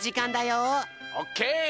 オッケー！